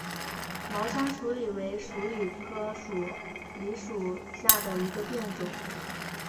毛山鼠李为鼠李科鼠李属下的一个变种。